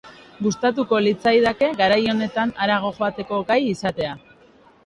Gustatuko litzaidake garai honetan harago joateko gai izatea.